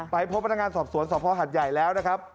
พบพนักงานสอบสวนสภหัดใหญ่แล้วนะครับ